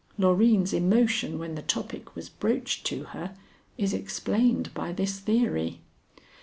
Loreen's emotion when the topic was broached to her is explained by this theory."